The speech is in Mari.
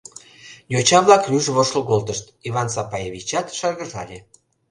Йоча-влак рӱж воштыл колтышт, Иван Сапаевичат шыргыжале.